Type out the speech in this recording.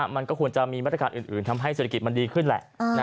มันก็ควรจะมีมาตรการอื่นทำให้เศรษฐกิจมันดีขึ้นแหละ